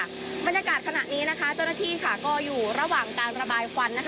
บรรยากาศขณะนี้ต้นที่ก็อยู่ระหว่างการประบายควัน